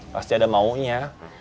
pasti ada maunya